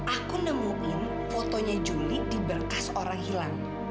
aku nemuin fotonya julie di bekas orang hilang